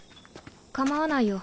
構わないよ。